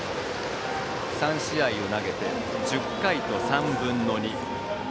３試合を投げて１０回と３分の２。